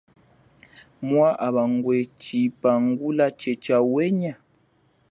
Maabwa ngwe chipangula che cha uhenya.